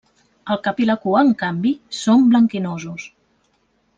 El cap i la cua, en canvi, són blanquinosos.